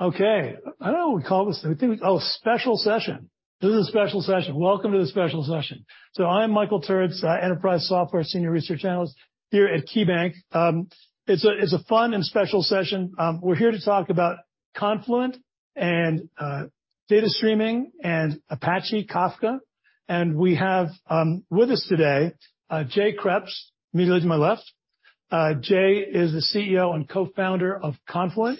Okay, I don't know what we call this. I think, oh, special session. This is a special session. Welcome to the special session. I'm Michael Turits, enterprise software senior research analyst here at KeyBanc. It's a, it's a fun and special session. We're here to talk about Confluent and data streaming and Apache Kafka. We have with us today, Jay Kreps, immediately to my left. Jay is the CEO and cofounder of Confluent,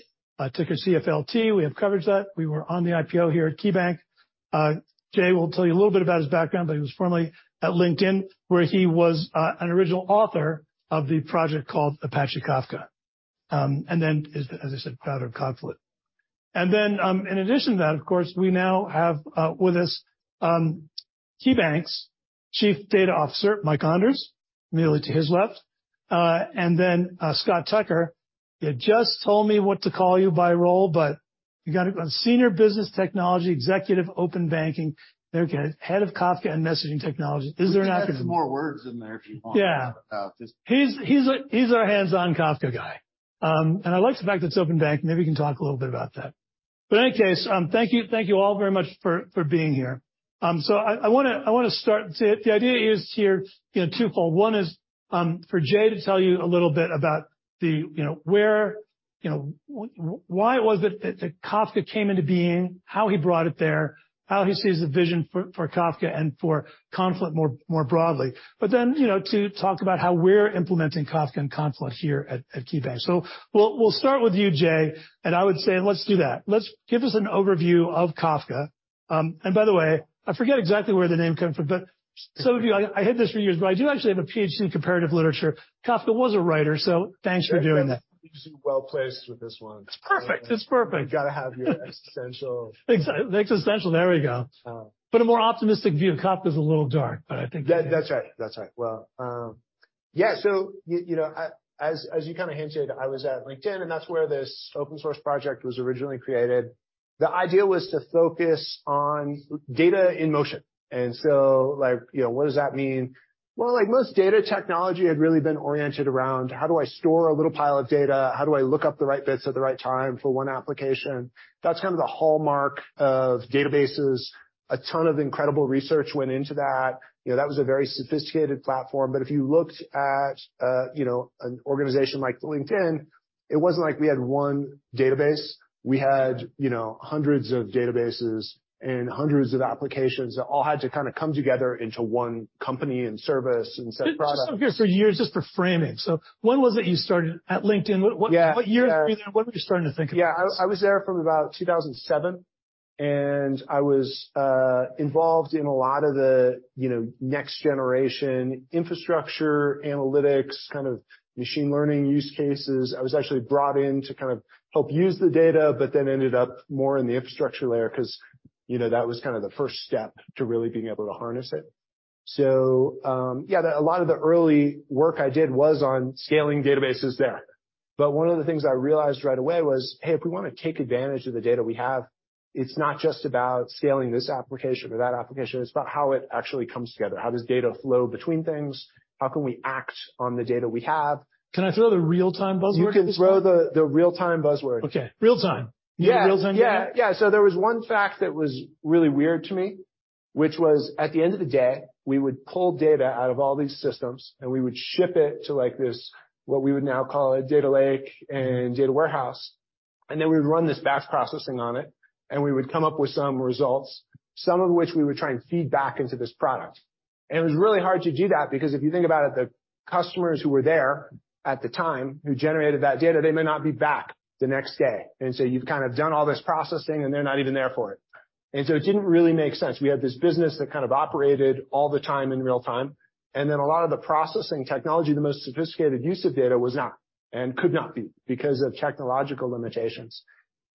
ticker CFLT. We have coverage that, we were on the IPO here at KeyBanc. Jay will tell you a little bit about his background, but he was formerly at LinkedIn, where he was an original author of the project called Apache Kafka. And then, as, as I said, founder of Confluent. In addition to that, of course, we now have with us KeyBanc's Chief Data Officer, Mike Onders, immediately to his left, and then Scott Tucker, you just told me what to call you by role, but you got it, Senior Business Technology Executive, open banking. There we go. Head of Kafka and Messaging Technology. We can add some more words in there if you want. Yeah. Uh, just- He's, he's our, he's our hands-on Kafka guy. I like the fact that it's open bank. Maybe we can talk a little bit about that. In any case, thank you, thank you all very much for, for being here. I, I wanna, I wanna start. The, the idea is here, you know, twofold. One is, for Jay to tell you a little bit about the, you know, where, you know, why it was that, that Kafka came into being, how he brought it there, how he sees the vision for, for Kafka and for Confluent more, more broadly. You know, to talk about how we're implementing Kafka and Confluent here at, at KeyBanc. We'll, we'll start with you, Jay, and I would say, let's do that. Let's give us an overview of Kafka. By the way, I forget exactly where the name came from, but some of you, I, I hid this for years, but I do actually have a PhD in comparative literature. Kafka was a writer, thanks for doing that. Well-placed with this one. It's perfect. It's perfect. You've got to have your existential- existential, there we go. Uh. A more optimistic view. Kafka is a little dark, but I think- That, that's right. That's right. Well, yeah, so you know, as, as you kind of hinted, I was at LinkedIn, and that's where this open source project was originally created. The idea was to focus on data in motion, so, like, you know, what does that mean? Well, like most data technology had really been oriented around: How do I store a little pile of data? How do I look up the right bits at the right time for one application? That's kind of the hallmark of databases. A ton of incredible research went into that. You know, that was a very sophisticated platform, but if you looked at, you know, an organization like LinkedIn, it wasn't like we had one database. We had, you know, hundreds of databases and hundreds of applications that all had to kind of come together into one company and service and set of products. Just for framing. When was it you started at LinkedIn? Yeah. What, what year, what were you starting to think about? Yeah, I, I was there from about 2007, and I was involved in a lot of the, you know, next generation infrastructure, analytics, kind of machine learning use cases. I was actually brought in to kind of help use the data, but then ended up more in the infrastructure layer because, you know, that was kind of the first step to really being able to harness it. Yeah, a lot of the early work I did was on scaling databases there. One of the things I realized right away was, hey, if we want to take advantage of the data we have, it's not just about scaling this application or that application, it's about how it actually comes together. How does data flow between things? How can we act on the data we have? Can I throw the real-time buzzword in there? You can throw the, the real-time buzzword. Okay, real time. Yeah. Real time. Yeah, yeah. There was one fact that was really weird to me, which was, at the end of the day, we would pull data out of all these systems, and we would ship it to, like, this, what we would now call a data lake and data warehouse, and then we would run this batch processing on it, and we would come up with some results, some of which we would try and feed back into this product. It was really hard to do that, because if you think about it, the customers who were there at the time, who generated that data, they may not be back the next day. You've kind of done all this processing, and they're not even there for it. It didn't really make sense. We had this business that kind of operated all the time in real time, a lot of the processing technology, the most sophisticated use of data, was not and could not be because of technological limitations.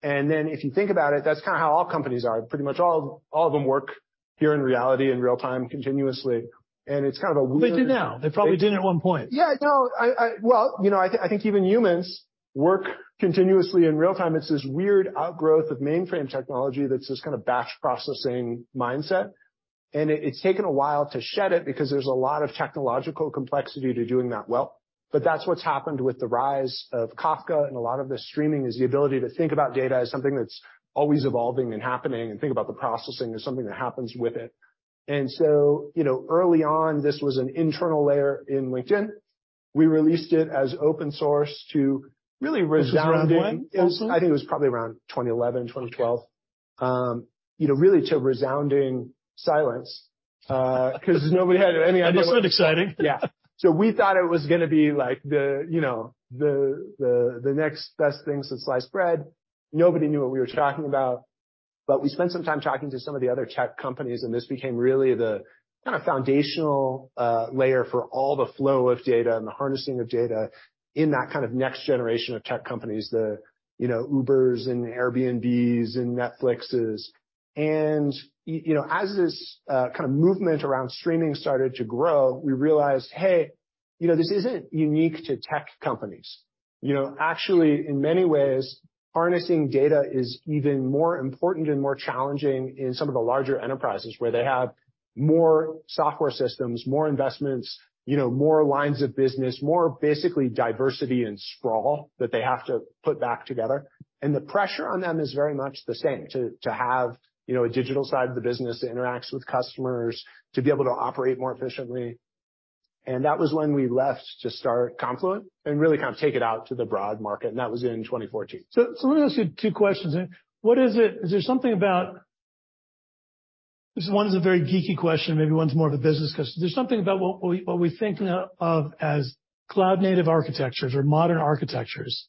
If you think about it, that's kind of how all companies are. Pretty much all of them work here in reality, in real time, continuously. They do now. They probably didn't at one point. Yeah, no, I, well, you know, I, I think even humans work continuously in real time. It's this weird outgrowth of mainframe technology that's this kind of batch processing mindset, and it, it's taken a while to shed it because there's a lot of technological complexity to doing that well. That's what's happened with the rise of Kafka, and a lot of this streaming, is the ability to think about data as something that's always evolving and happening, and think about the processing as something that happens with it. You know, early on, this was an internal layer in LinkedIn. We released it as open source to really resounding... This was around when, roughly? I think it was probably around 2011, 2012. You know, really to resounding silence, because nobody had any idea. That's not exciting. Yeah. We thought it was gonna be like the, you know, the, the, the next best thing since sliced bread. Nobody knew what we were talking about, but we spent some time talking to some of the other tech companies, and this became really the kind of foundational layer for all the flow of data and the harnessing of data in that kind of next generation of tech companies, the, you know, Ubers and Airbnbs and Netflixes. You know, as this kind of movement around streaming started to grow, we realized, You know, this isn't unique to tech companies. You know, actually, in many ways, harnessing data is even more important and more challenging in some of the larger enterprises, where they have more software systems, more investments, you know, more lines of business, more basically diversity and sprawl that they have to put back together. The pressure on them is very much the same, to, to have, you know, a digital side of the business that interacts with customers, to be able to operate more efficiently. That was when we left to start Confluent, and really kind of take it out to the broad market, and that was in 2014. Let me ask you two questions then. What is it? Is there something about... This one is a very geeky question, maybe one's more of a business question. There's something about what we, what we think of, of as cloud-native architectures or modern architectures,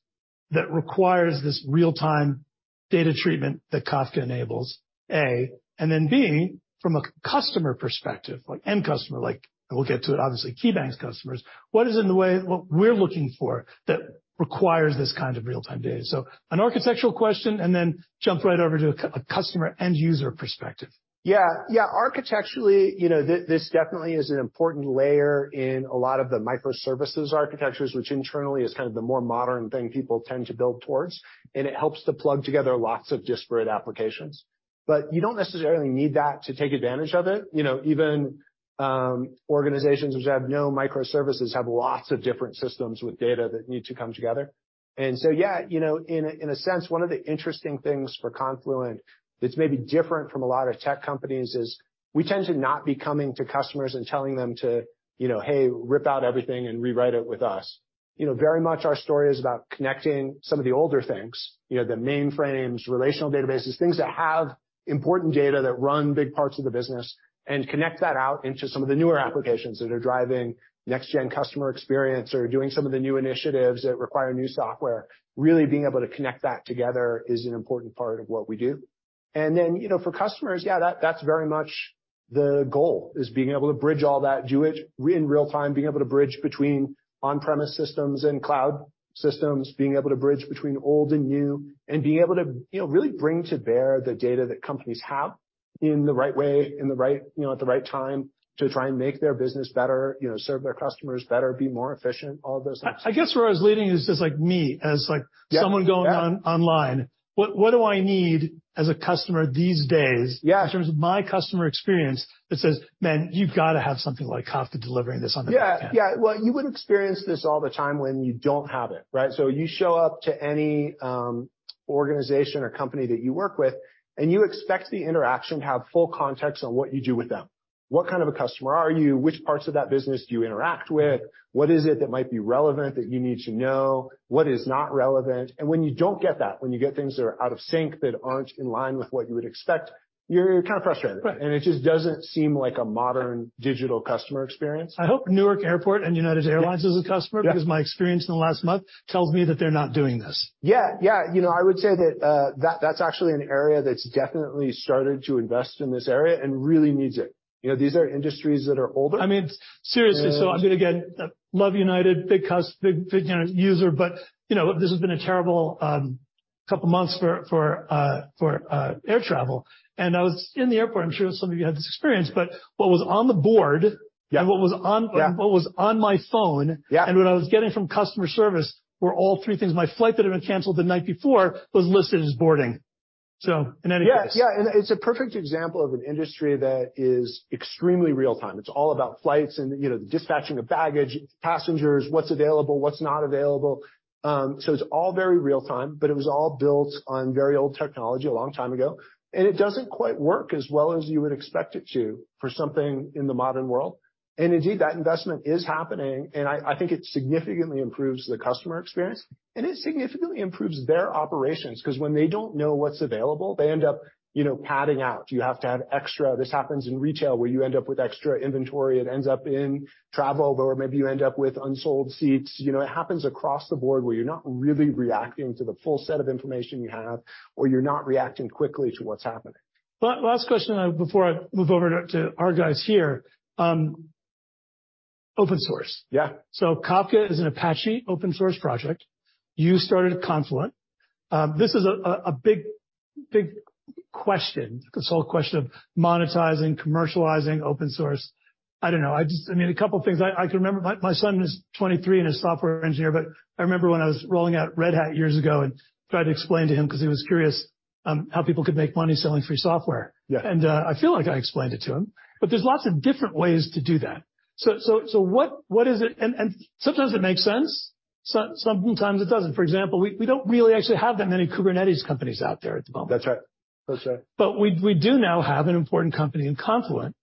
that requires this real-time data treatment that Kafka enables, A, and then, B, from a customer perspective, like end customer, like, and we'll get to, obviously, KeyBank's customers, what is it in the way, what we're looking for that requires this kind of real-time data? An architectural question, and then jump right over to a, a customer, end user perspective. Yeah. Yeah, architecturally, you know, this definitely is an important layer in a lot of the microservices architectures, which internally is kind of the more modern thing people tend to build towards, and it helps to plug together lots of disparate applications. You don't necessarily need that to take advantage of it. You know, even organizations which have no microservices have lots of different systems with data that need to come together. Yeah, you know, in a, in a sense, one of the interesting things for Confluent that's maybe different from a lot of tech companies is, we tend to not be coming to customers and telling them to, you know, "Hey, rip out everything and rewrite it with us." You know, very much our story is about connecting some of the older things, you know, the mainframes, relational databases, things that have important data that run big parts of the business, and connect that out into some of the newer applications that are driving next-gen customer experience or doing some of the new initiatives that require new software. Really being able to connect that together is an important part of what we do. Then, you know, for customers, yeah, that, that's very much the goal, is being able to bridge all that, do it in real time, being able to bridge between on-premise systems and cloud systems, being able to bridge between old and new, and being able to, you know, really bring to bear the data that companies have in the right way, you know, at the right time, to try and make their business better, you know, serve their customers better, be more efficient, all of those things. I, I guess where I was leading is just like me, as like. Yeah, yeah. someone going online, what do I need as a customer these days? Yeah. -in terms of my customer experience, that says, "Man, you've got to have something like Kafka delivering this on the back end? Yeah. Yeah. Well, you would experience this all the time when you don't have it, right? You show up to any organization or company that you work with, and you expect the interaction to have full context on what you do with them. What kind of a customer are you? Which parts of that business do you interact with? What is it that might be relevant that you need to know? What is not relevant? When you don't get that, when you get things that are out of sync, that aren't in line with what you would expect, you're kind of frustrated. Right. It just doesn't seem like a modern digital customer experience. I hope Newark Airport and United Airlines as a customer- Yeah. because my experience in the last month tells me that they're not doing this. Yeah. Yeah. You know, I would say that, that, that's actually an area that's definitely started to invest in this area and really needs it. You know, these are industries that are older. I mean, seriously- And- I'm gonna again, love United, big big, you know, user, but, you know, this has been a terrible couple of months for air travel, and I was in the airport. I'm sure some of you had this experience, but what was on the board. Yeah. - what was on- Yeah. What was on my phone. Yeah. What I was getting from customer service, were all three things. My flight that had been canceled the night before was listed as boarding. In any case. Yeah. Yeah, it's a perfect example of an industry that is extremely real time. It's all about flights and, you know, the dispatching of baggage, passengers, what's available, what's not available. It's all very real time, but it was all built on very old technology a long time ago, and it doesn't quite work as well as you would expect it to for something in the modern world. Indeed, that investment is happening, and I, I think it significantly improves the customer experience, and it significantly improves their operations, because when they don't know what's available, they end up, you know, padding out. You have to have extra... This happens in retail, where you end up with extra inventory. It ends up in travel, where maybe you end up with unsold seats. You know, it happens across the board, where you're not really reacting to the full set of information you have, or you're not reacting quickly to what's happening. Last question, before I move over to our guys here. Open source. Yeah. Kafka is an Apache open-source project. You started Confluent. This is a, a, a big, big question, this whole question of monetizing, commercializing open source. I don't know, I mean, a couple of things I, I can remember, my, my son is 23 and a software engineer, but I remember when I was rolling out Red Hat years ago and tried to explain to him, because he was curious, how people could make money selling free software. Yeah. I feel like I explained it to him, but there's lots of different ways to do that. sometimes it makes sense, some-sometimes it doesn't. For example, we, we don't really actually have that many Kubernetes companies out there at the moment. That's right. That's right. We, we do now have an important company in Confluent,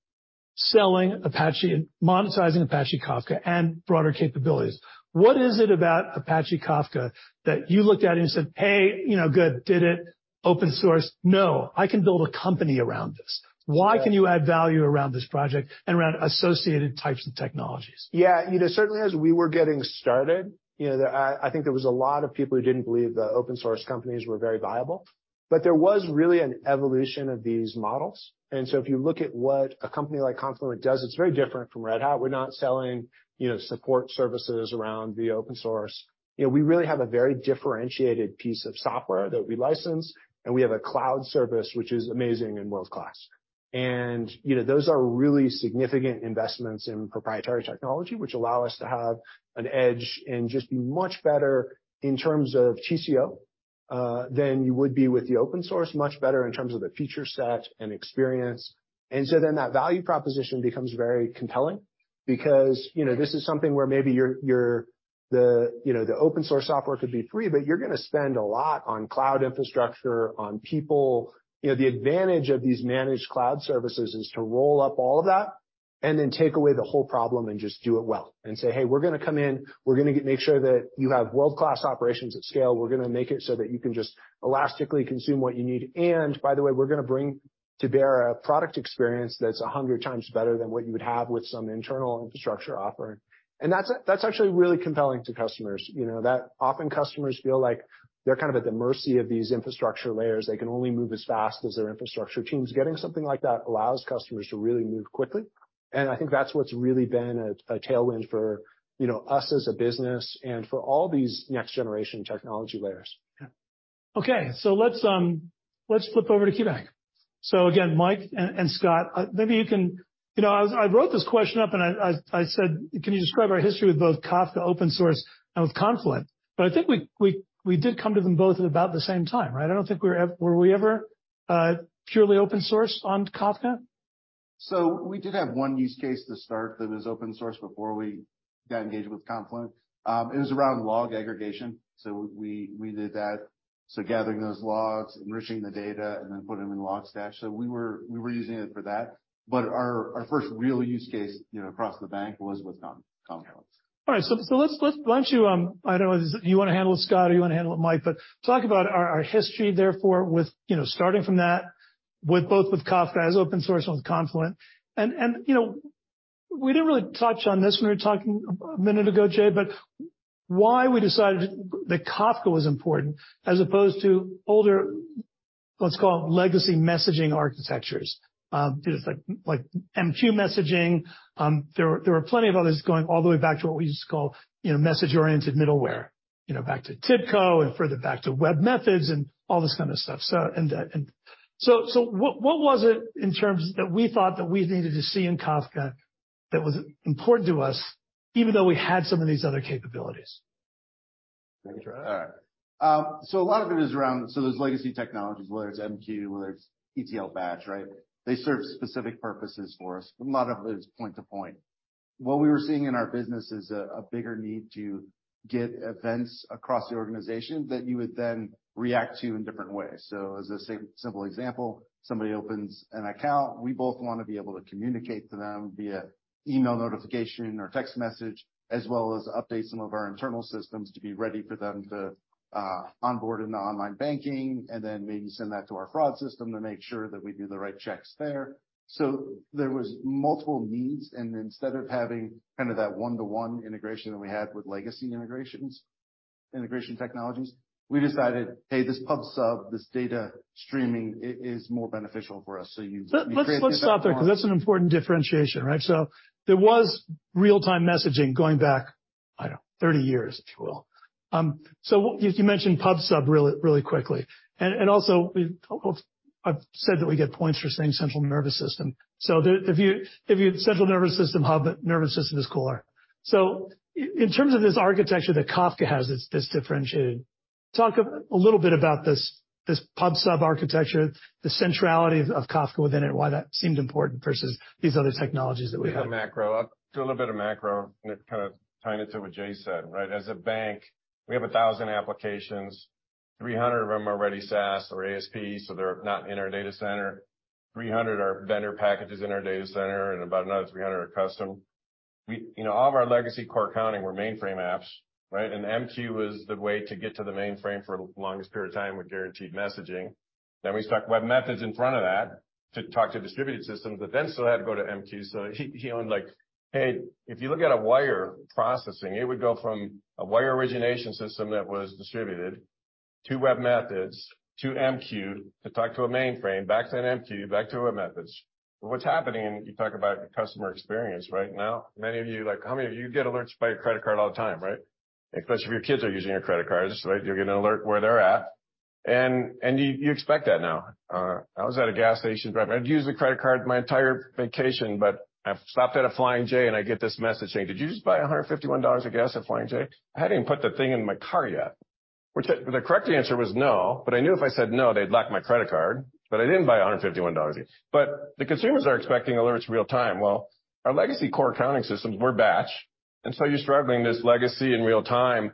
selling Apache and monetizing Apache Kafka and broader capabilities. What is it about Apache Kafka that you looked at it and said, "Hey, you know, good, did it, open source. No, I can build a company around this? Yeah. Why can you add value around this project and around associated types of technologies? Yeah. You know, certainly as we were getting started, you know, I think there was a lot of people who didn't believe that open source companies were very viable, but there was really an evolution of these models. If you look at what a company like Confluent does, it's very different from Red Hat. We're not selling, you know, support services around the open source. You know, we really have a very differentiated piece of software that we license, and we have a cloud service, which is amazing and world-class. You know, those are really significant investments in proprietary technology, which allow us to have an edge and just be much better in terms of TCO, than you would be with the open source, much better in terms of the feature set and experience. Then that value proposition becomes very compelling because, you know, this is something where maybe your, the, you know, the open-source software could be free, but you're gonna spend a lot on cloud infrastructure, on people. You know, the advantage of these managed cloud services is to roll up all of that and then take away the whole problem and just do it well and say, "Hey, we're gonna come in. We're gonna make sure that you have world-class operations at scale. We're gonna make it so that you can just elastically consume what you need. By the way, we're gonna bring to bear a product experience that's 100 times better than what you would have with some internal infrastructure offering." That's, that's actually really compelling to customers. You know, that often customers feel like they're kind of at the mercy of these infrastructure layers. They can only move as fast as their infrastructure teams. Getting something like that allows customers to really move quickly, and I think that's what's really been a tailwind for, you know, us as a business and for all these next-generation technology layers. Yeah. Okay, let's, let's flip over to KeyBank. Again, Mike and, and Scott, maybe you can... You know, I, I wrote this question up, and I said: Can you describe our history with both Kafka open source and with Confluent? I think we, we, we did come to them both at about the same time, right? I don't think we were ever-- were we ever, purely open source on Kafka? We did have one use case to start that was open source before we got engaged with Confluent. It was around log aggregation. We, we did that. Gathering those logs, enriching the data, and then putting them in Logstash. We were, we were using it for that, but our, our first real use case, you know, across the bank, was with Confluent. All right. So, so let's why don't you, I don't know, do you want to handle it, Scott, or you want to handle it, Mike? Talk about our, our history, therefore, with, you know, starting from that, with both with Kafka as open source and with Confluent. You know, we didn't really touch on this when we were talking a minute ago, Jay, but why we decided that Kafka was important as opposed to older, let's call it, legacy messaging architectures. Because like, like MQ messaging, there were, there were plenty of others going all the way back to what we used to call, you know, message-oriented middleware, you know, back to TIBCO and further back to webMethods and all this kind of stuff. What was it in terms that we thought that we needed to see in Kafka that was important to us, even though we had some of these other capabilities? All right. A lot of it is around, so there's legacy technologies, whether it's MQ, whether it's ETL batch, right? They serve specific purposes for us. A lot of it is point to point. What we were seeing in our business is a bigger need to get events across the organization that you would then react to in different ways. As a simple example, somebody opens an account, we both want to be able to communicate to them via email notification or text message, as well as update some of our internal systems to be ready for them to onboard in the online banking, and then maybe send that to our fraud system to make sure that we do the right checks there. There was multiple needs, and instead of having kind of that one-to-one integration that we had with legacy integrations, integration technologies, we decided, hey, this Pub/Sub, this data streaming is more beneficial for us. Let, let's, let's stop there because that's an important differentiation, right? There was real-time messaging going back, I don't know, 30 years, if you will. You, you mentioned Pub/Sub really, really quickly, and, and also, I've said that we get points for saying central nervous system. The, if you, if you... central nervous system, hub nervous system is cooler. In terms of this architecture that Kafka has, it's this differentiated, talk a little bit about this, this Pub/Sub architecture, the centrality of Kafka within it, and why that seemed important versus these other technologies that we have. We have macro. I'll do a little bit of macro and kind of tie into what Jay said, right? As a bank, we have 1,000 applications, 300 of them are already SaaS or ASP, so they're not in our data center. 300 are vendor packages in our data center, and about another 300 are custom. You know, all of our legacy core accounting were mainframe apps, right? MQ was the way to get to the mainframe for the longest period of time with guaranteed messaging. We stuck webMethods in front of that to talk to distributed systems, but then still had to go to MQ. He, he only like, "Hey, if you look at a wire processing, it would go from a wire origination system that was distributed, to webMethods, to MQ, to talk to a mainframe, back to an MQ, back to a webMethods." What's happening, and you talk about customer experience right now, many of you, like, how many of you get alerts by your credit card all the time, right? Especially if your kids are using your credit cards, right, you'll get an alert where they're at, and, and you, you expect that now. I was at a gas station, but I'd use the credit card my entire vacation, but I've stopped at a Flying J, and I get this message saying, "Did you just buy $151 of gas at Flying J?" I hadn't even put the thing in my car yet. Which the, the correct answer was no, I knew if I said no, they'd lock my credit card, I didn't buy $151. The consumers are expecting alerts real-time. Well, our legacy core accounting systems were batch, you're struggling this legacy in real time.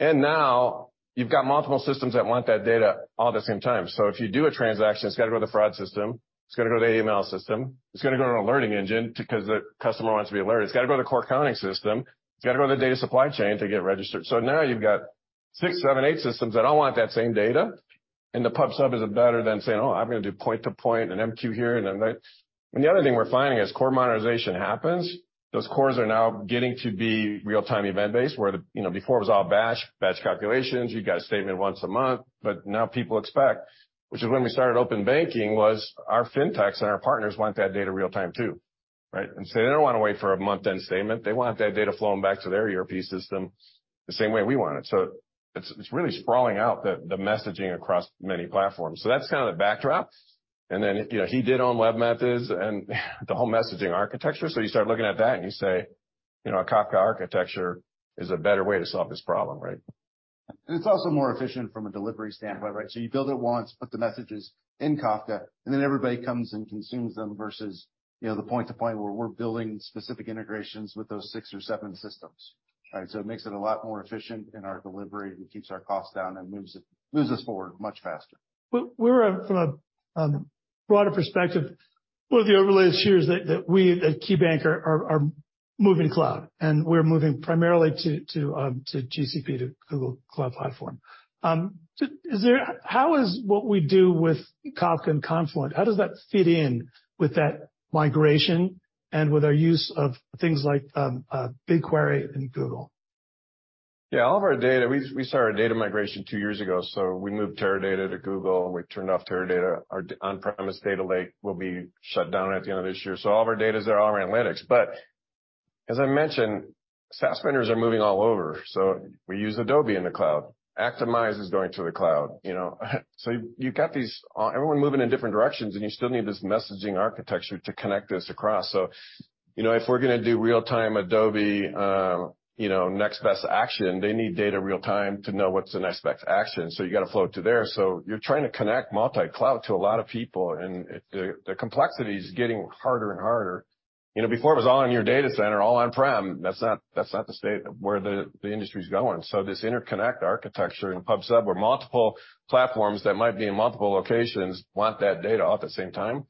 Now you've got multiple systems that want that data all at the same time. If you do a transaction, it's got to go to the fraud system, it's got to go to the AML system, it's got to go to an alerting engine because the customer wants to be alerted. It's got to go to the core accounting system. It's got to go to the data supply chain to get registered. Now you've got six, seven, eight systems that all want that same data, the Pub/Sub is better than saying, "Oh, I'm gonna do point to point, an MQ here, and then." The other thing we're finding as core modernization happens, those cores are now getting to be real-time event-based, where, you know, before it was all batch, batch calculations, you got a statement once a month. But now people expect, which is when we started open banking, was our fintechs and our partners want that data real-time, too. Right? They don't want to wait for a month-end statement. They want that data flowing back to their ERP system the same way we want it. It's, it's really sprawling out the, the messaging across many platforms. That's kind of the backdrop. Then, you know, he did own WebMethods and the whole messaging architecture. You start looking at that, and you say, you know, a Kafka architecture is a better way to solve this problem, right? It's also more efficient from a delivery standpoint, right? You build it once, put the messages in Kafka, and then everybody comes and consumes them versus, you know, the point to point where we're building specific integrations with those six or seven systems, right? It makes it a lot more efficient in our delivery and keeps our costs down and moves us forward much faster. We're from a broader perspective, one of the overlays here is that, that we at KeyBank are, are, are moving cloud, and we're moving primarily to, to GCP, to Google Cloud Platform. How is what we do with Kafka and Confluent, how does that fit in with that migration and with our use of things like BigQuery and Google? Yeah, all of our data, we, we started our data migration 2 years ago. We moved Teradata to Google, and we turned off Teradata. Our on-premise data lake will be shut down at the end of this year. All of our data is there, all our analytics. As I mentioned, SaaS vendors are moving all over, so we use Adobe in the cloud. Actimize is going to the cloud, you know? You've got these, everyone moving in different directions, and you still need this messaging architecture to connect this across. You know, if we're going to do real-time Adobe, you know, next best action, they need data real time to know what's the next best action. You got to flow it to there. You're trying to connect multi-cloud to a lot of people, and the complexity is getting harder and harder. You know, before it was all in your data center, all on-prem, that's not, that's not the state of where the industry is going. This interconnect architecture in Pub/Sub, where multiple platforms that might be in multiple locations want that data all at the same time,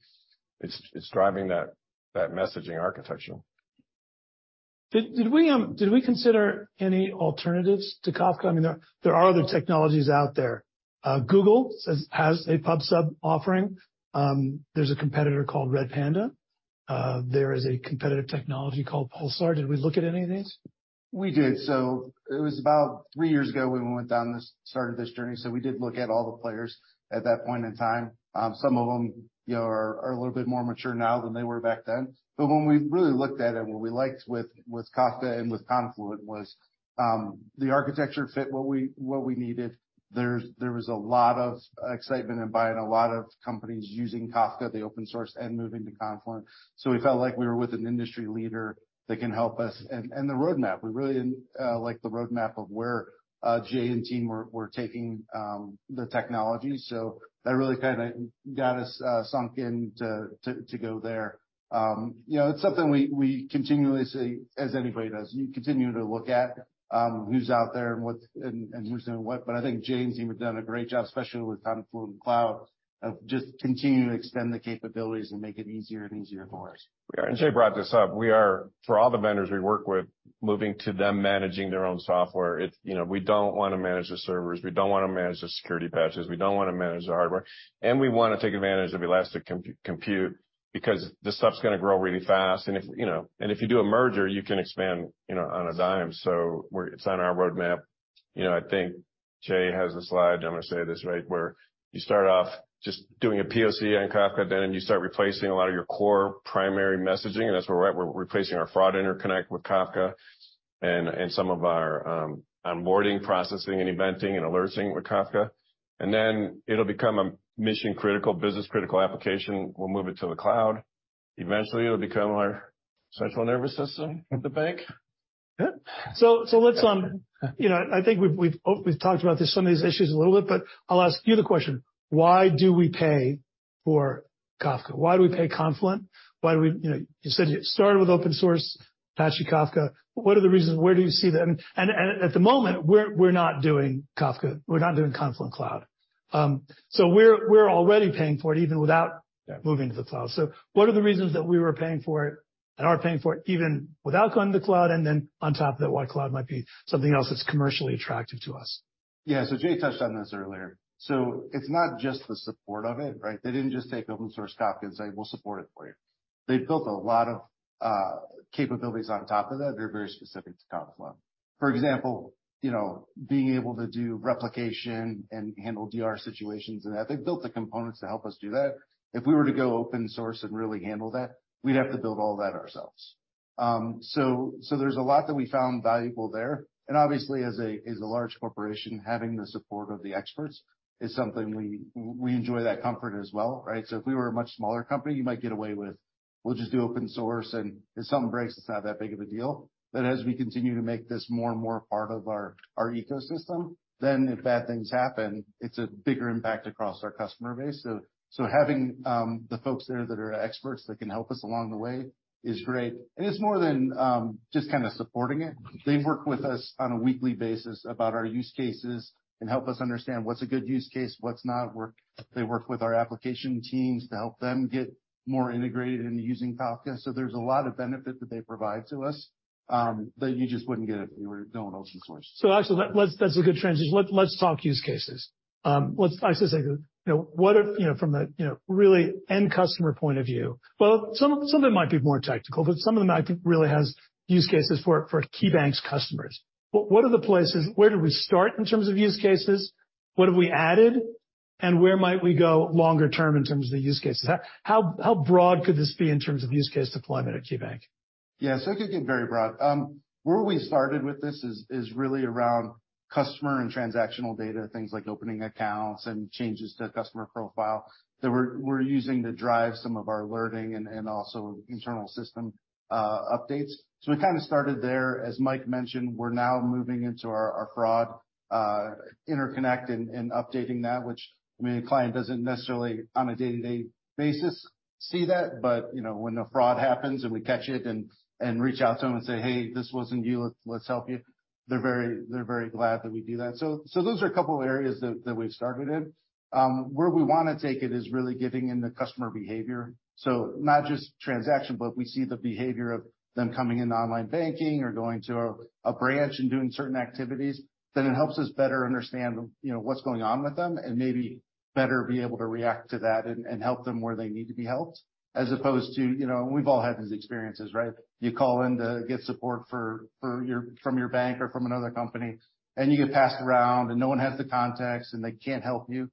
it's driving that messaging architecture. Did, did we, did we consider any alternatives to Kafka? I mean, there, there are other technologies out there. Google says-- has a Pub/Sub offering. There's a competitor called Redpanda. There is a competitive technology called Pulsar. Did we look at any of these? We did. It was about 3 years ago when we went down this-- started this journey. We did look at all the players at that point in time. Some of them, you know, are, are a little bit more mature now than they were back then. When we really looked at it, what we liked with, with Kafka and with Confluent was, the architecture fit what we, what we needed. There's, there was a lot of excitement and buy-in, a lot of companies using Kafka, the open source, and moving to Confluent. We felt like we were with an industry leader that can help us. The roadmap, we really liked the roadmap of where Jay and team were, were taking the technology. That really kinda got us sunk in to, to, to go there. you know, it's something we, we continuously, as anybody does, you continue to look at, who's out there and who's doing what. I think Jay and team have done a great job, especially with Confluent Cloud, of just continuing to extend the capabilities and make it easier and easier for us. Yeah, Jay brought this up. We are, for all the vendors we work with, moving to them, managing their own software. It's, you know, we don't want to manage the servers. We don't want to manage the security patches. We don't want to manage the hardware, and we want to take advantage of elastic compute because this stuff's going to grow really fast. If, you know, and if you do a merger, you can expand, you know, on a dime. So we're, it's on our roadmap. You know, I think Jay has a slide, I'm going to say this right, where you start off just doing a POC on Kafka, then you start replacing a lot of your core primary messaging. That's where we're at. We're replacing our fraud interconnect with Kafka and some of our onboarding, processing, and eventing, and alerting with Kafka. Then it'll become a mission-critical, business-critical application. We'll move it to the cloud. Eventually, it'll become our central nervous system of the bank. Yeah. So, so let's, you know, I think we've, we've, we've talked about this, some of these issues a little bit, but I'll ask you the question: Why do we pay for Kafka? Why do we pay Confluent? Why do we... You know, you said you started with open source, Apache Kafka. What are the reasons? Where do you see that? And, and at the moment, we're, we're not doing Kafka, we're not doing Confluent Cloud. We're, we're already paying for it, even without- Yeah moving to the cloud. What are the reasons that we were paying for it and are paying for it, even without going to the cloud? Then on top of that, why cloud might be something else that's commercially attractive to us. Yeah. Jay touched on this earlier. It's not just the support of it, right? They didn't just take open source Kafka and say, "We'll support it for you." They've built a lot of capabilities on top of that, that are very specific to Confluent. For example, you know, being able to do replication and handle DR situations and that. They've built the components to help us do that. If we were to go open source and really handle that, we'd have to build all that ourselves. So there's a lot that we found valuable there. Obviously, as a, as a large corporation, having the support of the experts is something we enjoy that comfort as well, right? If we were a much smaller company, you might get away with, we'll just do open source, and if something breaks, it's not that big of a deal. As we continue to make this more and more part of our, our ecosystem, then if bad things happen, it's a bigger impact across our customer base. Having the folks there that are experts, that can help us along the way is great. It's more than just kinda supporting it. They work with us on a weekly basis about our use cases and help us understand what's a good use case, what's not work. They work with our application teams to help them get more integrated into using Kafka. There's a lot of benefit that they provide to us that you just wouldn't get if you were going open source. Actually, let's, that's a good transition. Let's, let's talk use cases. Let's, I should say, you know, what are, you know, from a, you know, really end customer point of view? Well, some, some of it might be more technical, but some of them, I think, really has use cases for, for KeyBank's customers. What, what are the places, where do we start in terms of use cases? What have we added? Where might we go longer term in terms of the use cases? How, how broad could this be in terms of use case deployment at KeyBank? It could get very broad. Where we started with this is, is really around customer and transactional data, things like opening accounts and changes to customer profile, that we're, we're using to drive some of our alerting and, and also internal system updates. We kind of started there. As Mike mentioned, we're now moving into our, our fraud interconnect and, and updating that, which, I mean, a client doesn't necessarily, on a day-to-day basis, see that, but, you know, when a fraud happens and we catch it and, and reach out to them and say, "Hey, this wasn't you, let's, let's help you," they're very, they're very glad that we do that. Those are a couple of areas that, that we've started in. Where we wanna take it is really getting in the customer behavior. Not just transaction, but if we see the behavior of them coming into online banking or going to a, a branch and doing certain activities, then it helps us better understand, you know, what's going on with them and maybe better be able to react to that and, and help them where they need to be helped, as opposed to, you know. We've all had these experiences, right? You call in to get support for, for your- from your bank or from another company, and you get passed around, and no one has the context, and they can't help you.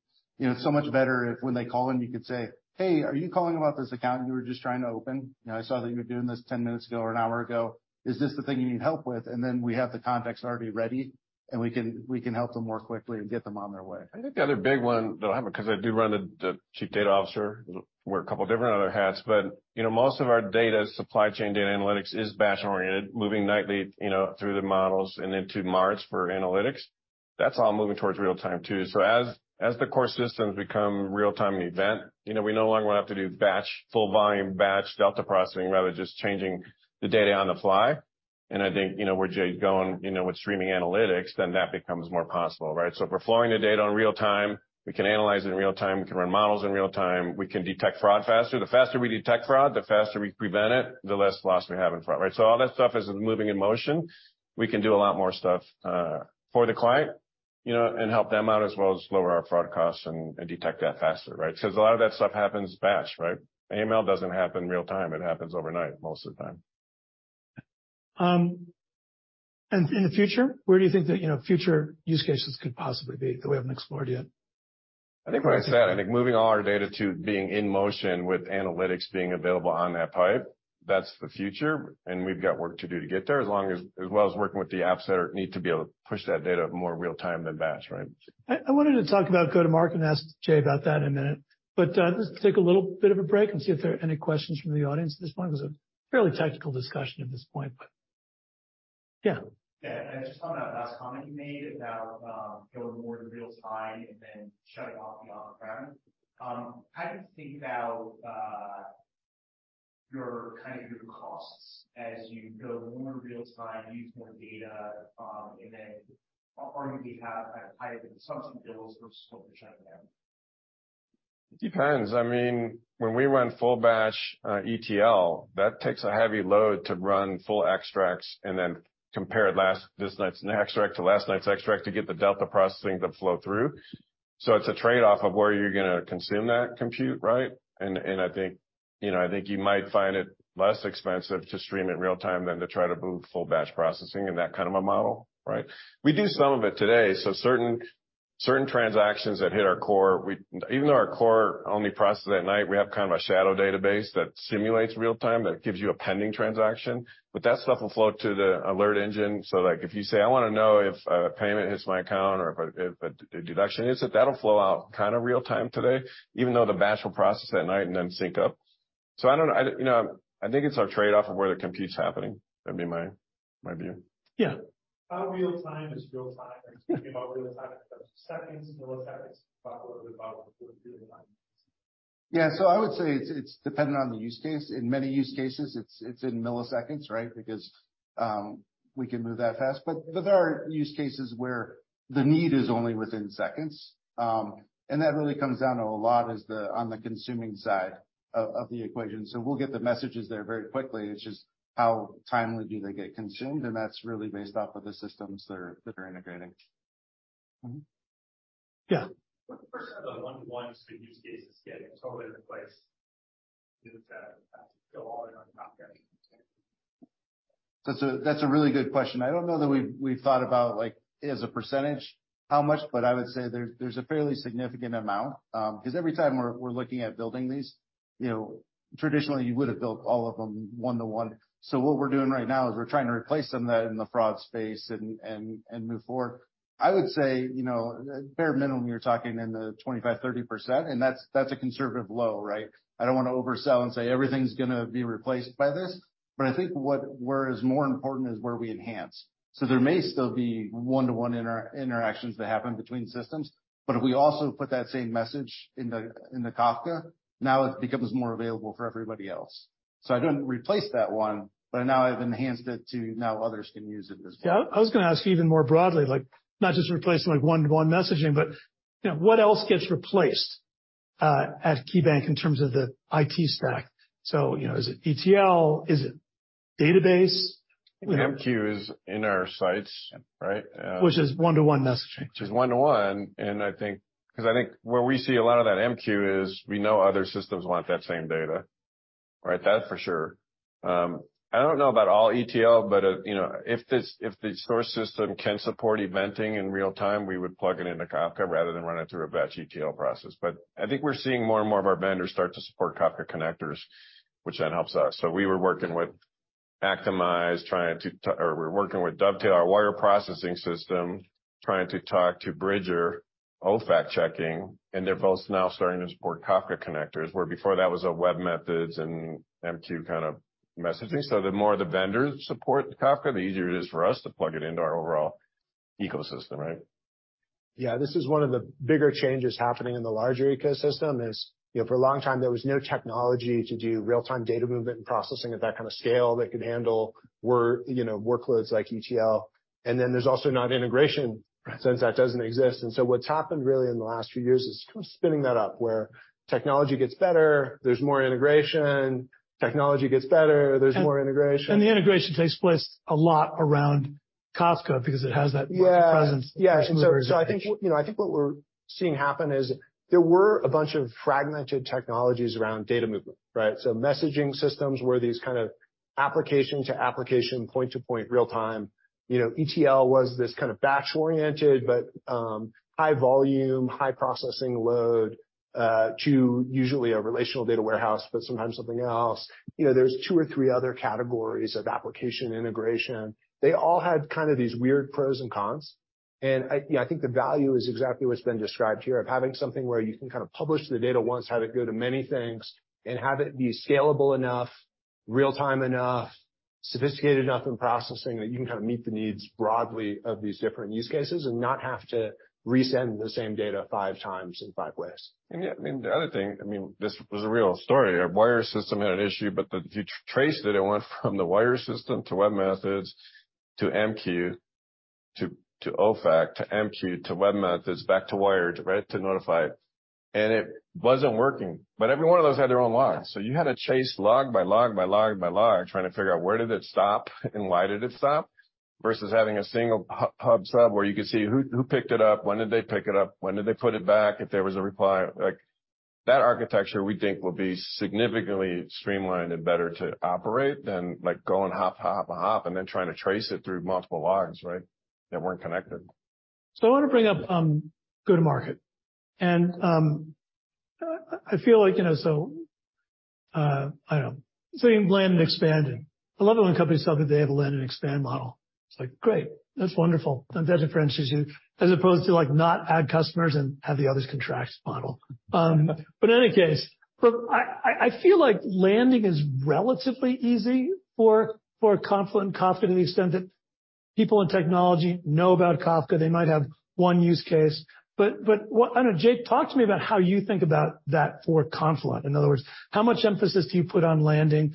Much better if when they call in, you can say, "Hey, are you calling about this account you were just trying to open? You know, I saw that you were doing this 10 minutes ago or an hour ago. Is this the thing you need help with?" Then we have the context already ready, and we can, we can help them more quickly and get them on their way. I think the other big one, though, because I do run the, the chief data officer, wear a couple of different other hats, but, you know, most of our data, supply chain data analytics, is batch-oriented, moving nightly, you know, through the models and into marts for analytics. That's all moving towards real-time, too. As, as the core systems become real-time and event, you know, we no longer want to have to do batch, full volume batch, delta processing, rather just changing the data on the fly. I think, you know, where Jay is going, you know, with streaming analytics, then that becomes more possible, right? If we're flowing the data on real time, we can analyze it in real time, we can run models in real time, we can detect fraud faster. The faster we detect fraud, the faster we prevent it, the less loss we have in fraud, right? All that stuff is moving in motion. We can do a lot more stuff for the client, you know, and help them out, as well as lower our fraud costs and, and detect that faster, right? A lot of that stuff happens batch, right? AML doesn't happen real time, it happens overnight, most of the time. In the future, where do you think that, you know, future use cases could possibly be, that we haven't explored yet? I think what I said, I think moving all our data to being in motion with analytics being available on that pipe, that's the future, and we've got work to do to get there as well as working with the apps that need to be able to push that data more real time than batch, right? I, I wanted to talk about go-to-market and ask Jay about that in a minute, but, let's take a little bit of a break and see if there are any questions from the audience at this point. It was a fairly technical discussion at this point, but yeah. Yeah, just on that last comment you made about going more to real time and then shut it off beyond the ground. How do you think about your kind of your costs as you go more real time, use more data, and then are you going to have higher consumption bills versus what we're showing now? It depends. I mean, when we run full batch, ETL, that takes a heavy load to run full extracts and then compare last-- this night's extract to last night's extract to get the delta processing to flow through. It's a trade-off of where you're gonna consume that compute, right? And I think, you know, I think you might find it less expensive to stream in real time than to try to move full batch processing and that kind of a model, right? We do some of it today. Certain, certain transactions that hit our core, we-- even though our core only processes at night, we have kind of a shadow database that simulates real time, that gives you a pending transaction, but that stuff will flow to the alert engine. Like, if you say: I want to know if a payment hits my account or if a, a deduction hits it, that'll flow out kind of real time today, even though the batch will process at night and then sync up. I don't know. I, you know, I think it's our trade-off of where the compute's happening. That'd be my, my view. Yeah. How real time is real time? When you talk real time, is that seconds, milliseconds, what about real time? Yeah. I would say it's, it's dependent on the use case. In many use cases, it's, it's in milliseconds, right? Because we can move that fast. There are use cases where the need is only within seconds. That really comes down to a lot, is the, on the consuming side of, of the equation. We'll get the messages there very quickly. It's just how timely do they get consumed, and that's really based off of the systems that are, that are integrating. Mm-hmm. Yeah. What are the one-to-one use cases getting totally replaced? Do they kinda have to go all in on not getting it? That's a, that's a really good question. I don't know that we've, we've thought about, like, as a percentage, how much, but I would say there's, there's a fairly significant amount. Because every time we're, we're looking at building these, you know, traditionally you would have built all of them one-to-one. What we're doing right now is we're trying to replace them in the fraud space and, and, and move forward. I would say, you know, bare minimum, you're talking in the 25%-30%, and that's, that's a conservative low, right? I don't want to oversell and say everything's gonna be replaced by this, but I think where is more important is where we enhance. There may still be one-to-one inter-interactions that happen between systems, but if we also put that same message in the, in the Kafka, now it becomes more available for everybody else. I don't replace that one, but now I've enhanced it to now others can use it as well. Yeah. I was gonna ask even more broadly, like, not just replacing, like, one-to-one messaging, but, you know, what else gets replaced, at KeyBank in terms of the IT stack? You know, is it ETL? Is it database? MQ is in our sites, right? Which is one-to-one messaging. Which is one to one. I think because I think where we see a lot of that MQ is, we know other systems want that same data. Right, that's for sure. I don't know about all ETL, you know, if this, if the source system can support eventing in real time, we would plug it into Kafka rather than run it through a batch ETL process. I think we're seeing more and more of our vendors start to support Kafka connectors, which then helps us. We were working with Actimize, trying or we're working with Dovetail, our wire processing system, trying to talk to Bridger, OFAC checking, and they're both now starting to support Kafka connectors, where before that was a webMethods and MQ kind of messaging. The more the vendors support Kafka, the easier it is for us to plug it into our overall ecosystem, right? Yeah, this is one of the bigger changes happening in the larger ecosystem is, you know, for a long time, there was no technology to do real-time data movement and processing at that kind of scale that could handle work, you know, workloads like ETL. Then there's also not integration since that doesn't exist. So what's happened really in the last few years is spinning that up, where technology gets better, there's more integration, technology gets better, there's more integration. The integration takes place a lot around Kafka because it has. Yeah. -presence. Yeah. I think, you know, I think what we're seeing happen is there were a bunch of fragmented technologies around data movement, right? Messaging systems were these kind of application-to-application, point-to-point, real-time. You know, ETL was this kind of batch-oriented, but, high volume, high processing load, to usually a relational data warehouse, but sometimes something else. You know, there's two or three other categories of application integration. They all had kind of these weird pros and cons, I, yeah, I think the value is exactly what's been described here, of having something where you can kinda publish the data once, have it go to many things, and have it be scalable enough, real-time enough, sophisticated enough in processing, that you can kinda meet the needs broadly of these different use cases not have to resend the same data five times in five ways. Yeah, I mean, the other thing, I mean, this was a real story. Our wire system had an issue, but you traced it, it went from the wire system to webMethods, to MQ, to OFAC, to MQ, to webMethods, back to wire, to red, to notify it, and it wasn't working. Every one of those had their own logs, so you had to chase log by log by log by log, trying to figure out where did it stop and why did it stop? Versus having a single hub site where you could see who, who picked it up, when did they pick it up, when did they put it back, if there was a reply. Like, that architecture, we think, will be significantly streamlined and better to operate than, like, going hop, hop, and hop, and then trying to trace it through multiple logs, right, that weren't connected. I want to bring up, go-to-market. I, I feel like, you know, so, I don't know, say, land and expanding. I love it when companies tell me they have a land and expand model. It's like, "Great, that's wonderful, and that differentiates you," as opposed to, like, not add customers and have the others contracts model. In any case, look, I feel like landing is relatively easy for, for Confluent, Kafka, to the extent that people in technology know about Kafka, they might have one use case. But what... I don't know, Jay, talk to me about how you think about that for Confluent. In other words, how much emphasis do you put on landing?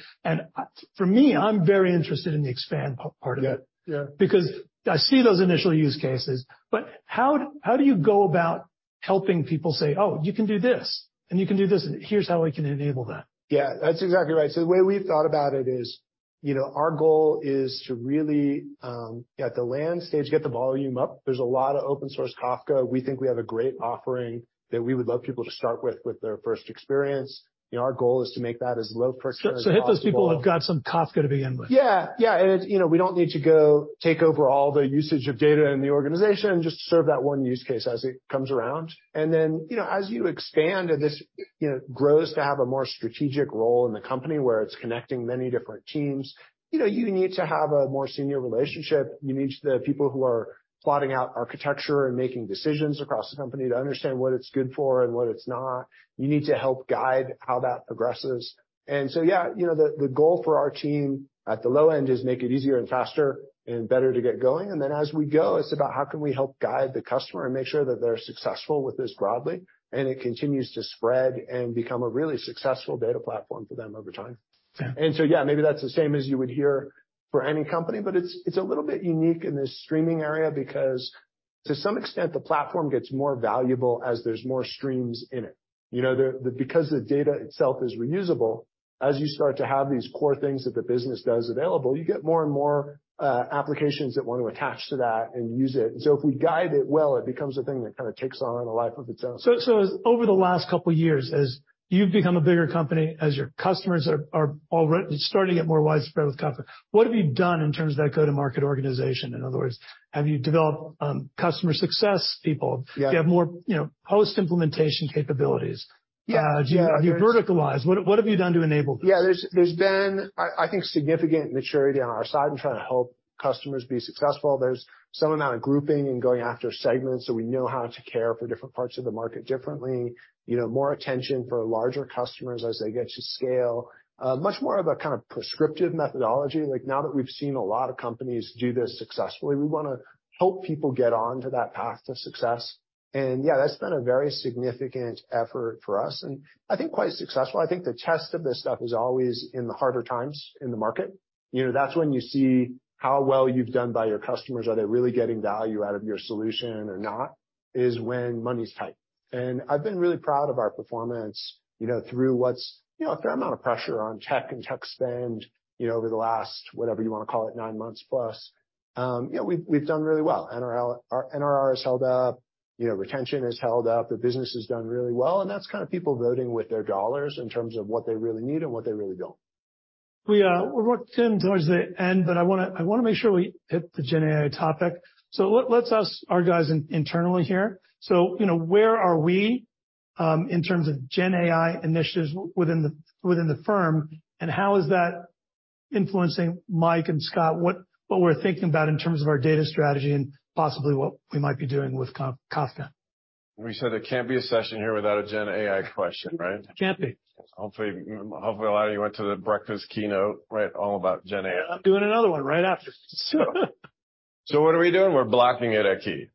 For me, I'm very interested in the expand part of it. Yeah. Yeah. I see those initial use cases, but how, how do you go about helping people say, "Oh, you can do this, and you can do this, and here's how we can enable that? Yeah, that's exactly right. The way we've thought about it is, you know, our goal is to really, at the land stage, get the volume up. There's a lot of open source Kafka. We think we have a great offering that we would love people to start with, with their first experience. You know, our goal is to make that as low friction as possible. So hit those people who have got some Kafka to begin with. Yeah, yeah. It's, you know, we don't need to go take over all the usage of data in the organization, just to serve that one use case as it comes around. Then, you know, as you expand, and this, you know, grows to have a more strategic role in the company, where it's connecting many different teams, you know, you need to have a more senior relationship. You need the people who are plotting out architecture and making decisions across the company to understand what it's good for and what it's not. You need to help guide how that progresses. So, yeah, you know, the, the goal for our team at the low end is make it easier and faster and better to get going. Then, as we go, it's about how can we help guide the customer and make sure that they're successful with this broadly, and it continues to spread and become a really successful data platform for them over time. Yeah. Yeah, maybe that's the same as you would hear for any company, but it's, it's a little bit unique in this streaming area because to some extent, the platform gets more valuable as there's more streams in it. You know, the, the-- because the data itself is reusable, as you start to have these core things that the business does available, you get more and more applications that want to attach to that and use it. If we guide it well, it becomes a thing that kinda takes on a life of its own. Over the last couple of years, as you've become a bigger company, as your customers are already starting to get more widespread with Kafka, what have you done in terms of that go-to-market organization? In other words, have you developed, customer success people? Yeah. Do you have more, you know, post-implementation capabilities? Yeah. Have you verticalized? What, what have you done to enable this? Yeah, there's, there's been, I, I think, significant maturity on our side in trying to help customers be successful. There's some amount of grouping and going after segments, so we know how to care for different parts of the market differently. You know, more attention for larger customers as they get to scale. Much more of a kind of prescriptive methodology. Like, now that we've seen a lot of companies do this successfully, we wanna help people get on to that path to success. Yeah, that's been a very significant effort for us, and I think quite successful. I think the test of this stuff is always in the harder times in the market. You know, that's when you see how well you've done by your customers. Are they really getting value out of your solution or not? Is when money's tight. I've been really proud of our performance, you know, through what's, you know, a fair amount of pressure on tech and tech spend, you know, over the last, whatever you wanna call it, nine months plus. You know, we've, we've done really well. NRR, our NRR has held up. You know, retention has held up, the business has done really well, and that's kind of people voting with their dollars in terms of what they really need and what they really don't. We, we're working towards the end, but I wanna, I wanna make sure we hit the GenAI topic. Let, let's ask our guys internally here. You know, where are we, in terms of GenAI initiatives within the, within the firm, and how is that influencing Mike and Scott, what, what we're thinking about in terms of our data strategy and possibly what we might be doing with Kafka? We said there can't be a session here without a GenAI question, right? Can't be. Hopefully, hopefully, a lot of you went to the breakfast keynote, right? All about GenAI. I'm doing another one right after, so, What are we doing? We're blocking it at Key.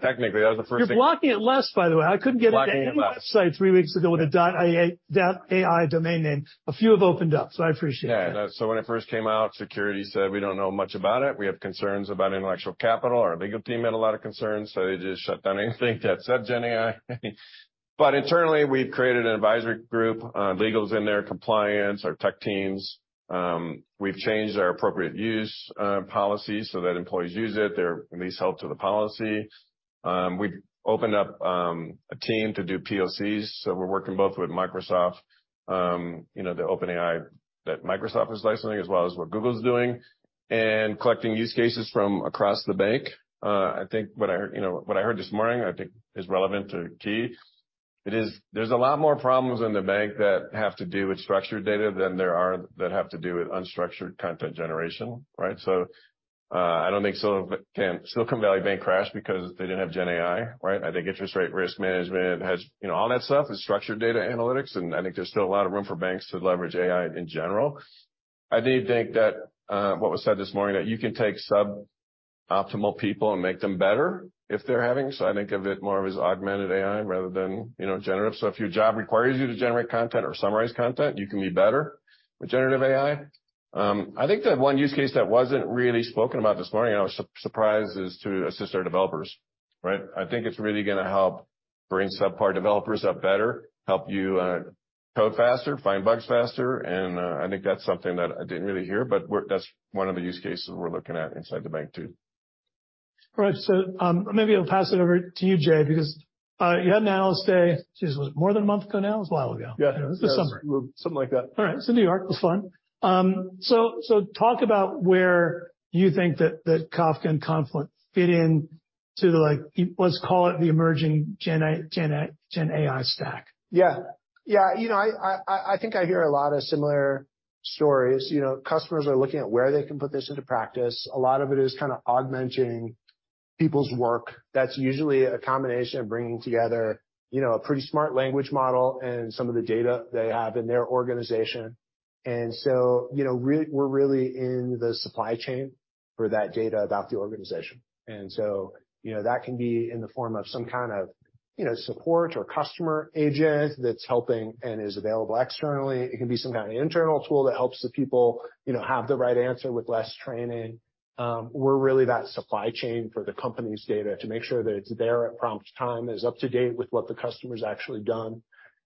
Technically, that was the first thing. You're blocking it less, by the way. I couldn't get- Blocking it less.... a website three weeks ago with a dot AI, dot AI domain name. A few have opened up, so I appreciate it. Yeah. When it first came out, security said, we don't know much about it. We have concerns about intellectual capital. Our legal team had a lot of concerns, so they just shut down anything that said GenAI. Internally, we've created an advisory group, legal's in there, compliance, our tech teams. We've changed our appropriate use policy so that employees use it. They're at least held to the policy. We've opened up a team to do POCs, so we're working both with Microsoft, you know, the OpenAI that Microsoft is licensing, as well as what Google's doing, and collecting use cases from across the bank. I think what I, you know, what I heard this morning, I think is relevant to KeyBank. There's a lot more problems in the bank that have to do with structured data than there are-- that have to do with unstructured content generation, right? So I don't think Silicon Valley Bank crashed because they didn't have GenAI, right? I think interest rate risk management has, you know, all that stuff is structured data analytics, and I think there's still a lot of room for banks to leverage AI in general. I do think that what was said this morning, that you can take sub-optimal people and make them better if they're having... So I think of it more as augmented AI rather than, you know, generative. So if your job requires you to generate content or summarize content, you can be better with generative AI. I think the one use case that wasn't really spoken about this morning, I was surprised, is to assist our developers, right? I think it's really gonna help bring subpar developers up better, help you, code faster, find bugs faster, and, I think that's something that I didn't really hear, but we're that's one of the use cases we're looking at inside the bank, too. All right. maybe I'll pass it over to you, Jay, because, you had an analyst day, geez, was it more than a month ago now? It was a while ago. Yeah. It was the summer. Something like that. All right. It's in New York. It was fun. So talk about where you think that, that Kafka and Confluent fit in to the, like, let's call it the emerging GenAI stack. Yeah. Yeah, you know, I think I hear a lot of similar stories. You know, customers are looking at where they can put this into practice. A lot of it is kind of augmenting people's work. That's usually a combination of bringing together, you know, a pretty smart language model and some of the data they have in their organization. You know, we're really in the supply chain for that data about the organization. You know, that can be in the form of some kind of, you know, support or customer agent that's helping and is available externally. It can be some kind of internal tool that helps the people, you know, have the right answer with less training. We're really that supply chain for the company's data to make sure that it's there at prompt time, is up-to-date with what the customer's actually done.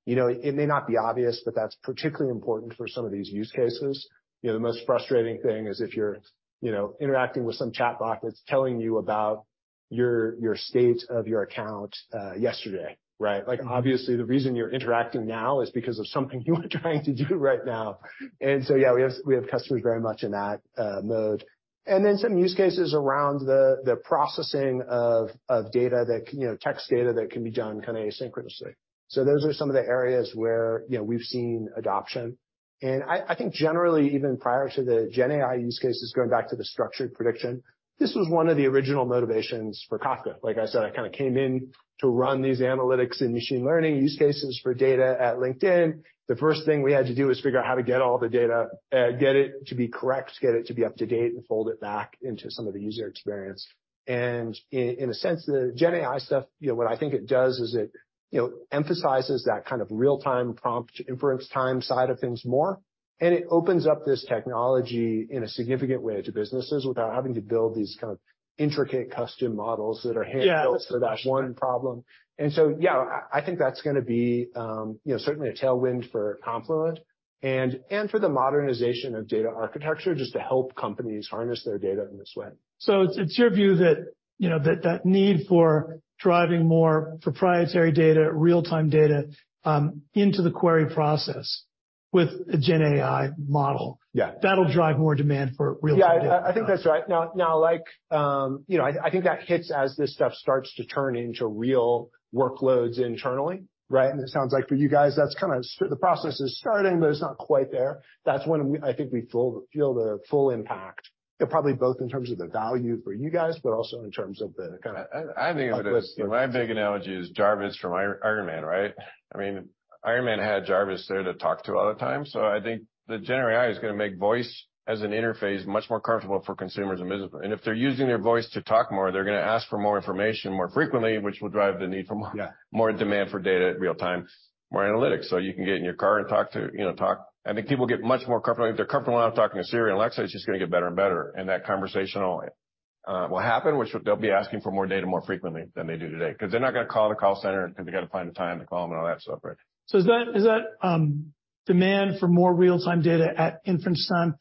You know, it may not be obvious, but that's particularly important for some of these use cases. You know, the most frustrating thing is if you're, you know, interacting with some chatbot that's telling you about your, your state of your account, yesterday, right? Like, obviously, the reason you're interacting now is because of something you are trying to do right now. Yeah, we have, we have customers very much in that mode. Some use cases around the, the processing of, of data that can, you know, text data that can be done kind of asynchronously. Those are some of the areas where, you know, we've seen adoption. I, I think generally, even prior to the GenAI use cases, going back to the structured prediction, this was one of the original motivations for Kafka. Like I said, I kind of came in to run these analytics and machine learning use cases for data at LinkedIn. The first thing we had to do was figure out how to get all the data, get it to be correct, get it to be up-to-date, and fold it back into some of the user experience. In, in a sense, the GenAI stuff, you know, what I think it does is it, you know, emphasizes that kind of real-time, prompt, inference, time side of things more, and it opens up this technology in a significant way to businesses without having to build these kind of intricate custom models that are hand-built. Yeah -for that one problem. So, yeah, I, I think that's gonna be, you know, certainly a tailwind for Confluent and, and for the modernization of data architecture, just to help companies harness their data in this way. It's, it's your view that, you know, that, that need for driving more proprietary data, real-time data, into the query process with a GenAI model. Yeah. that'll drive more demand for real-time data? Yeah, I, I think that's right. Now, now, like, you know, I, I think that hits as this stuff starts to turn into real workloads internally, right? It sounds like for you guys, that's kind of. The process is starting, but it's not quite there. That's when I think we feel the full impact, and probably both in terms of the value for you guys, but also in terms of the kind of. I think of it as-- my big analogy is J.A.R.V.I.S. from Iron Man, right? I mean, Iron Man had J.A.R.V.I.S. there to talk to all the time. I think the GenAI is gonna make voice as an interface much more comfortable for consumers and business. If they're using their voice to talk more, they're gonna ask for more information more frequently, which will drive the need for more- Yeah... more demand for data in real time, more analytics. You can get in your car and talk to, you know. I think people get much more comfortable. If they're comfortable enough talking to Siri and Alexa, it's just gonna get better and better, and that conversational will happen, which they'll be asking for more data, more frequently than they do today. They're not gonna call the call center, because they got to find the time to call them and all that stuff, right? Is that demand for more real-time data at inference time?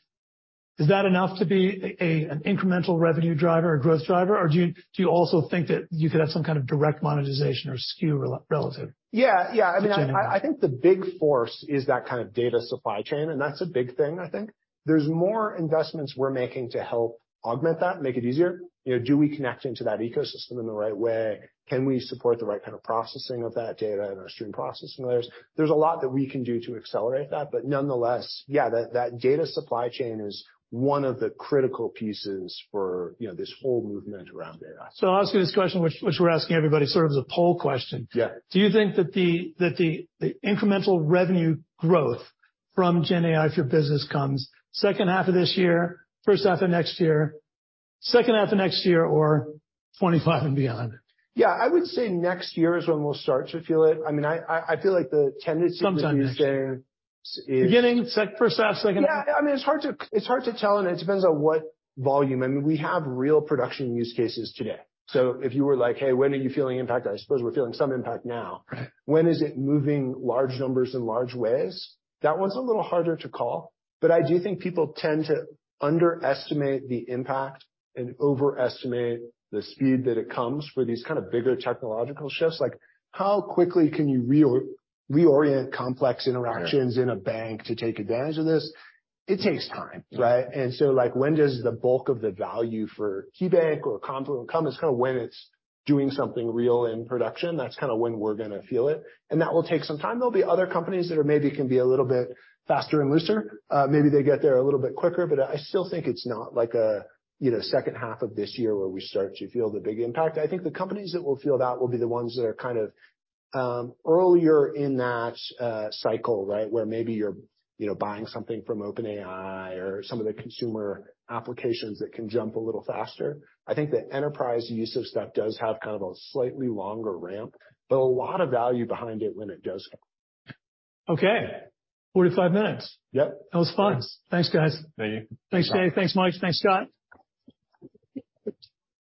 Is that enough to be an incremental revenue driver or growth driver? Do you also think that you could have some kind of direct monetization or SKU? Yeah, I mean, I think the big force is that kind of data supply chain, that's a big thing, I think. There's more investments we're making to help augment that and make it easier. You know, do we connect into that ecosystem in the right way? Can we support the right kind of processing of that data and our stream processing layers? There's a lot that we can do to accelerate that, nonetheless, yeah, that, that data supply chain is one of the critical pieces for, you know, this whole movement around AI. I'll ask you this question, which, which we're asking everybody, sort of as a poll question. Yeah. Do you think that the incremental revenue growth from GenAI, if your business comes second half of this year, first half of next year, second half of next year, or 2025 and beyond? Yeah, I would say next year is when we'll start to feel it. I mean, I, I, I feel like the tendency- Sometime next year. to say is Beginning, first half, second half? Yeah, I mean, it's hard to, it's hard to tell, and it depends on what volume. I mean, we have real production use cases today. If you were like, "Hey, when are you feeling impact?" I suppose we're feeling some impact now. Right. When is it moving large numbers in large ways? That one's a little harder to call. I do think people tend to underestimate the impact and overestimate the speed that it comes for these kind of bigger technological shifts. Like, how quickly can you reorient complex interactions... Yeah... in a bank to take advantage of this? It takes time, right? Yeah. Like, when does the bulk of the value for KeyBank or Confluent come? It's kind of when it's doing something real in production, that's kind of when we're going to feel it, and that will take some time. There'll be other companies that are maybe can be a little bit faster and looser. Maybe they get there a little bit quicker, but I still think it's not like a, you know, second half of this year where we start to feel the big impact. I think the companies that will feel that will be the ones that are kind of, earlier in that cycle, right? Where maybe you're, you know, buying something from OpenAI or some of the consumer applications that can jump a little faster. I think the enterprise use of stuff does have kind of a slightly longer ramp, but a lot of value behind it when it does happen. Okay. 45 minutes. Yep. That was fun. Yeah. Thanks, guys. Thank you. Thanks, Dave. Thanks, Mike. Thanks, Scott.